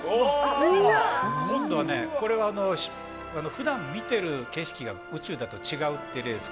今度はね、これはふだん見てる景色が宇宙だと違うっていう例です。